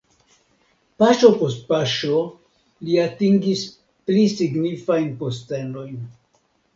Paŝo post paŝo li atingis pli signifajn postenojn.